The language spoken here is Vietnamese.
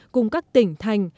cùng các tỉnh thành